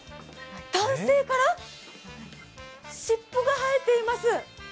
男性から尻尾が生えています。